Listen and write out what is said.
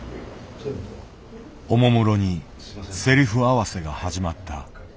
おもむろにセリフ合わせが始まった。